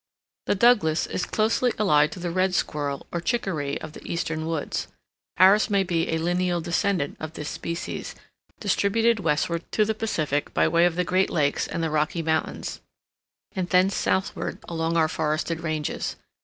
The Douglas is closely allied to the Red Squirrel or Chickaree of the eastern woods. Ours may be a lineal descendant of this species, distributed westward to the Pacific by way of the Great Lakes and the Rocky Mountains, and thence southward along our forested ranges.